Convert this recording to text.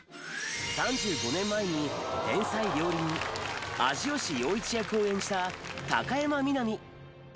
３５年前に天才料理人味吉陽一役を演じた高山みなみ。